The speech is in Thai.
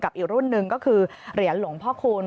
อีกรุ่นหนึ่งก็คือเหรียญหลวงพ่อคูณ